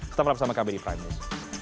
sampai jumpa di prime news